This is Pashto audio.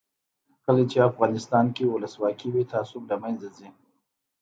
کله چې افغانستان کې ولسواکي وي تعصب له منځه ځي.